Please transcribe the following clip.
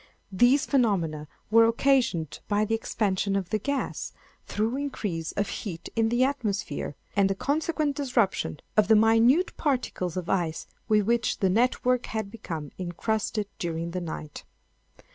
These phenomena were occasioned by the expansion of the gas, through increase of heat in the atmosphere, and the consequent disruption of the minute particles of ice with which the network had become encrusted during the night.